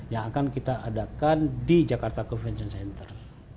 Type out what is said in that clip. yang akan kita adakan di jakarta convention center